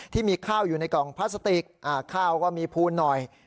ที่มีข้าวอยู่ในกล่องพลาสติกข้าวก็มีพูนหน่อย